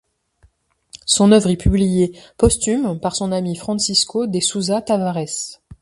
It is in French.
Son œuvre est publiée posthume par son ami Francisco de Sousa Tavares.